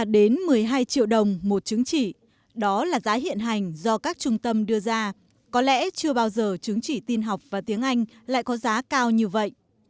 đến một mươi hai triệu đồng một chứng chỉ đó là giá hiện hành do các trung tâm đưa ra có lẽ chưa bao giờ chứng chỉ tin học và tiếng anh lại có giá cao như vậy